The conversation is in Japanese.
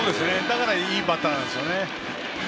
だからいいバッターなんです。